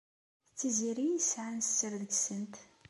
D Tiziri ay yesɛan sser deg-sent.